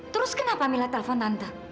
terus kenapa mila telepon tante